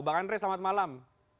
bang andre selamat malam